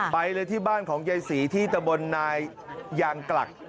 ไปเลยที่บ้านของยายศรีที่ตะบนนายยางกลัก